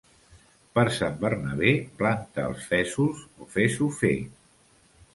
Per Sant Bernabé, planta els fesols o fes-ho fer.